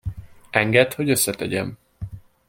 Engedd, hogy összetegyem.